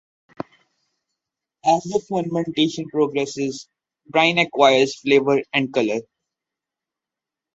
As the fermentation progresses, brine acquires flavour and colour.